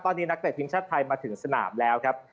ตอนนี้นักเตะทีมชาติไทยมาถึงสนามแล้วครับ